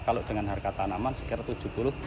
kalau dengan harga tanaman sekitar rp tujuh puluh